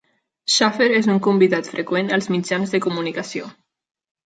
Shaffer és un convidat freqüent als mitjans de comunicació.